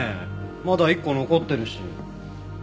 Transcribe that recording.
まだ１個残ってるし。